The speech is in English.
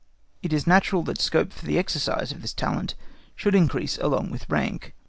It is natural that scope for the exercise of this talent should increase along with rank.